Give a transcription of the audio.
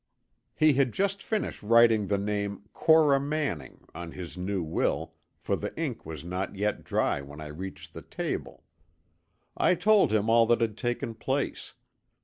"He had just finished writing the name, Cora Manning, on his new will, for the ink was not yet dry when I reached the table. I told him all that had taken place.